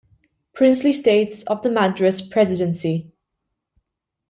Princely States of the Madras Presidency.